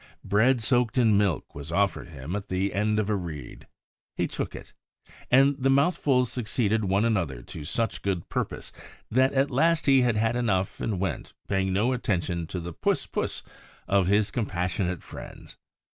Bread soaked in milk was offered him at the end of a reed. He took it. And the mouthfuls succeeded one another to such good purpose that at last he had had enough and went, paying no attention to the "Puss! Puss!" of his compassionate friends.